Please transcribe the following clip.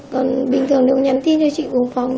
còn bình thường nếu nhắn tin cho chị cùng phòng